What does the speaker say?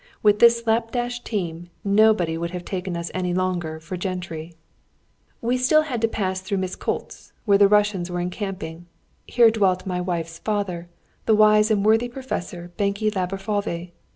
With this slap dash team nobody would have taken us any longer for gentry. We had still to pass through Miskolcz, where the Russians were encamping. Here dwelt my wife's father, the wise and worthy professor Benke Laborfalvy.